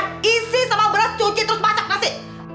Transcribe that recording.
masak nasi sama beras cuci terus masak nasi